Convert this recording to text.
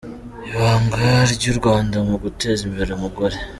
Ibanga ry’ u Rwanda mu guteza imbere umugore….